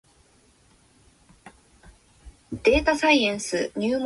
数えきれないほどの書物があること。書籍に埋もれんばかりのさま。